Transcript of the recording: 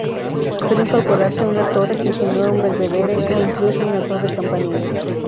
Suele incorporarse una torre que insinúa un belvedere, o incluso una torre campanile.